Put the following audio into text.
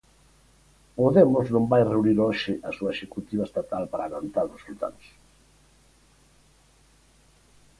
Podemos non vai reunir hoxe a súa executiva estatal para analizar os resultados.